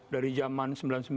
dari zaman sembilan puluh sembilan